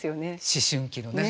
思春期のね。